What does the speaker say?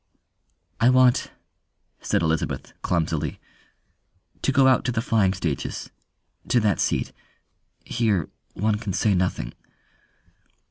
"I want," said Elizabeth clumsily, "to go out to the flying stages to that seat. Here, one can say nothing...."